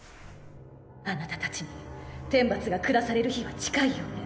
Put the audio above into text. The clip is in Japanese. あなたたちに天罰が下される日は近いようね。